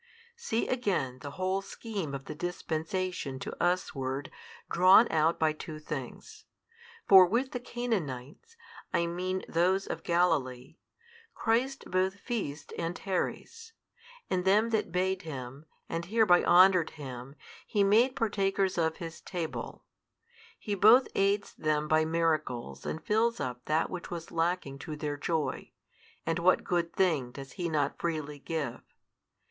See again the whole scheme of the Dispensation to usward drawn out by two things. For with the Cananites, I mean those of Galilee, Christ both feasts and tarries, and them that bade Him, and hereby honoured Him, He made partakers of His Table; He both aids them by miracles and fills up that which was lacking to their joy (and what good thing does He not freely give?)